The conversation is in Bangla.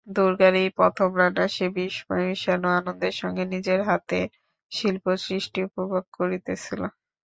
দুর্গার এই প্রথম রান্না, সে বিস্ময়মিশানো আনন্দের সঙ্গে নিজের হাতের শিল্প-সৃষ্টি উপভোগ করিতেছিল!